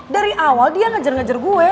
dari awal dia ngejar ngejar gue